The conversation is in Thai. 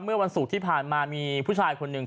เมื่อวันศุกร์ที่ผ่านมามีผู้ชายคนหนึ่ง